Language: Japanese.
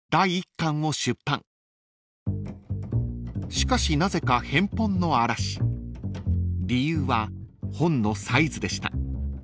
［しかしなぜか返本の嵐］［理由は本のサイズでした］